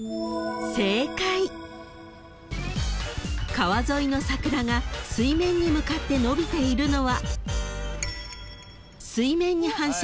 ［川沿いの桜が水面に向かって伸びているのは］